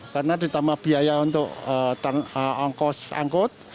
karena ditambah biaya untuk angkot